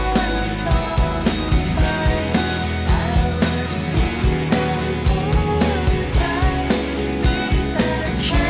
ที่ตัวฉันต้องไปแต่ว่าสิ่งหลังหัวใจมีแต่เธอ